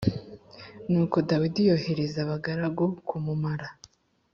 Nuko Dawidi yohereza abagaragu kumumara